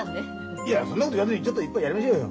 いやそんなこと言わずにちょっと一杯やりましょうよ。